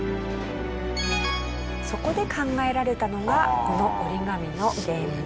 そこで考えられたのがこの折り紙の原理。